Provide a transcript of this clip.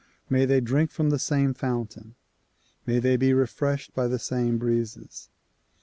May they drink from the same fountain. May they be refreshed by the same breezes.